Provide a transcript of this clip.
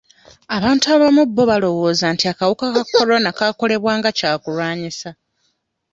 Abantu abamu bo balowooza nti akawuka ka Corona kaakolebwa nga kyakulwanisa.